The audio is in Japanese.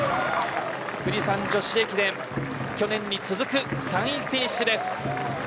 富士山女子駅伝去年に続く３位フィニッシュです。